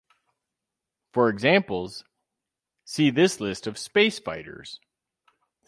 For examples, see this list of space fighters.